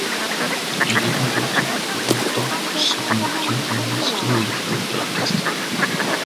Su hijo, Joseph Hawthorne, se convirtió en un exitoso director de orquesta.